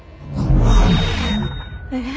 え？